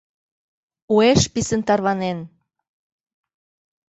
Уэш писын тарванен